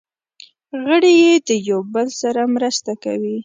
غړي یې د یو بل سره مرسته کوي.